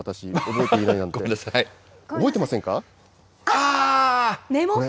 覚えてませんか。